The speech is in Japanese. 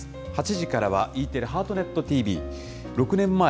８時からはＥテレハートネットＴＶ。